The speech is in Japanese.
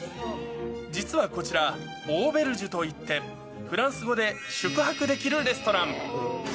実はこちら、オーベルジュといって、フランス語で宿泊できるレストラン。